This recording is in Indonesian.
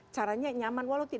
caranya nyaman walau